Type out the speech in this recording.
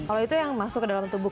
kalau itu yang masuk ke dalam tubuh